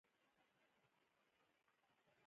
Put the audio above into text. آیا سپین رنګ د سولې او پاکۍ نښه نه ده؟